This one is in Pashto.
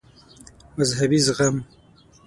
مذهبي زغم